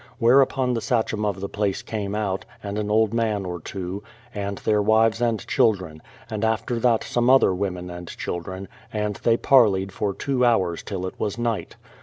Whereupon the sachem of the place came out, and an old man or two, and their wives and children, and after that some other women and children; and they parleyed for two hours till it was night.